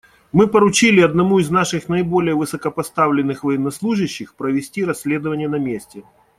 Мы поручили одному из наших наиболее высокопоставленных военнослужащих провести расследование на месте.